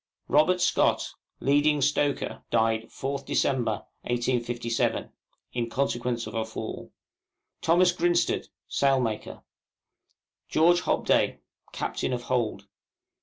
ROBERT SCOTT, Leading Stoker, died 4th Dec. 1857, (in consequence of a fall). THOMAS GRINSTEAD, Sailmaker. GEORGE HOBDAY, Captain of Hold.